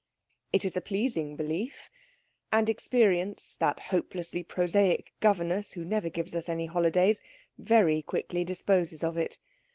It is a pleasing belief; and Experience, that hopelessly prosaic governess who never gives us any holidays, very quickly disposes of it.